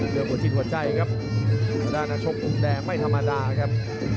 ด้วยหัวจิตหัวใจครับด้านนักชมภูมิแดงไม่ธรรมดาครับ